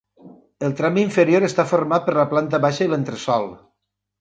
El tram inferior està format per la planta baixa i l'entresòl.